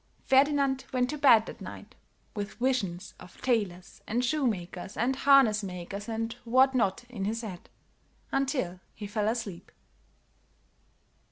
Ferdinand went to bed that night with visions of tailors and shoemakers and harnessmakers and whatnot, in his head, until he fell asleep.